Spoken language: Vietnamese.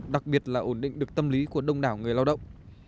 đặc biệt là ổn định được tâm lý của đông đảo người lao động